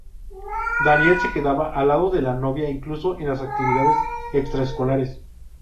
Daniel se quedaba al lado de la novia incluso en las actividades extra-escolares.